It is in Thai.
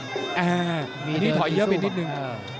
อันนี้ถอยเยอะไปนิดนึง